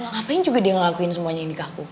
ngapain juga dia ngelakuin semuanya ini ke aku